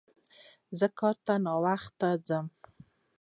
زه کار ته ناوخته ځم